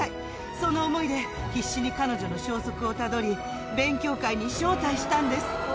その思いで必死に彼女の消息をたどり、勉強会に招待したんです。